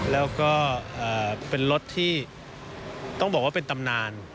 แล้วก็เป็นรถที่ต้องบอกว่าเป็นตำนาน